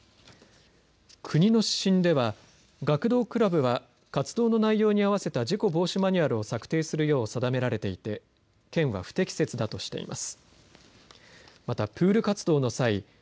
国の指針では学童クラブは活動の内容に合わせた事故防止マニュアルを策定するよう定められていて県は不適切だとしています。